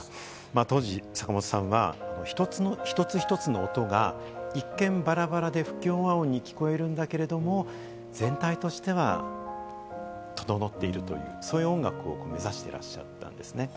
当時、坂本さんは一つ一つの音が一見バラバラで不協和音に聞こえるんだけども、全体としては整っている、そうそういう音楽を目指していらっしゃったんですね。